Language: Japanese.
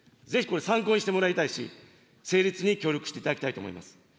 ぜひこれ、参考にしてもらいたいし、成立に協力していただきたいと思います。